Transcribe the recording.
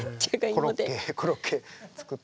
コロッケコロッケ作って。